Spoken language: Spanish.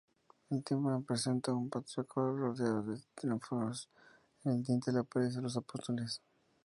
El tímpano presenta un Pantocrátor rodeado del Tetramorfos; en el dintel aparecen los apóstoles.